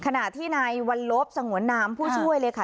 ขณะที่นายวัลลบสงวนนามผู้ช่วยเลยค่ะ